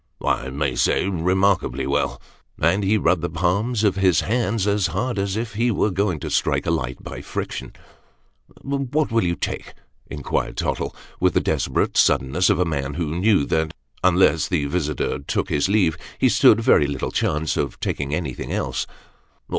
"I may say remarkably well." And ho rubbed the palms of his hands ns hard as if he were going to strike a light by friction. 328 Sketches by Boz. " What will you take ?" inquired Tottle, with the desperate sudden ness of a man who knew that unless the visitor took his leave, he stood very little chance of taking anything else.